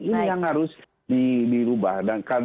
ini yang harus dilubah